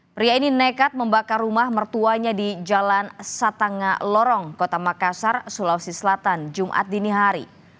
pria ini nekat membakar rumah mertuanya di jalan satanga lorong kota makassar sulawesi selatan jumat dini hari